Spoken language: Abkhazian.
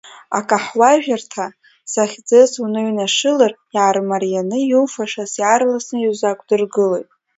Акаҳуажәырҭа захьӡыз уныҩнашылар, иаармарианы иуфашаз иаарласны иузаақәдыргылоит.